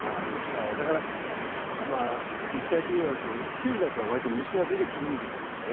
だからまあ立体的になるとキュウリなんかは割と虫が出てくるんですけどね。